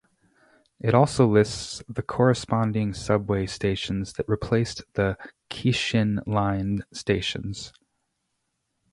It also lists the corresponding subway stations that replaced the Keishin Line stations.